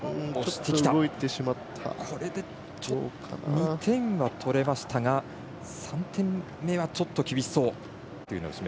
２点は取れましたが３点目はちょっと厳しそう。